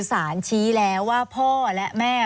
สารชี้แล้วว่าพ่อและแม่